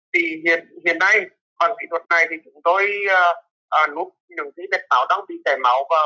thì hiện nay còn kỹ thuật này thì chúng tôi nút những ít mẹt máu đang bị chảy máu vào